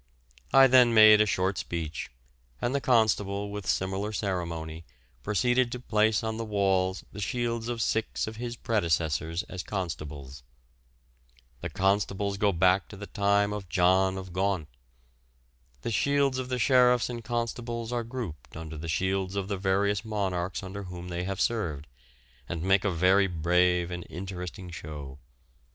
I then made a short speech, and the Constable, with similar ceremony, proceeded to place on the walls the shields of six of his predecessors as Constables. The Constables go back to the time of John of Gaunt. The shields of the Sheriffs and Constables are grouped under the shields of the various monarchs under whom they served, and make a very brave and interesting show.